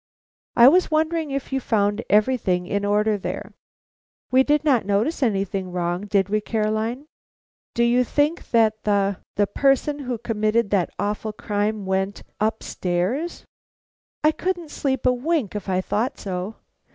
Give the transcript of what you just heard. "I was wondering if you found everything in order there?" "We did not notice anything wrong, did we, Caroline? Do you think that the the person who committed that awful crime went up stairs? I couldn't sleep a wink if I thought so."